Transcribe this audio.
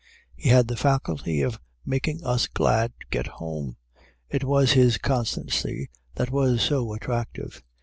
He had the faculty of making us glad to get home. It was his constancy that was so attractive.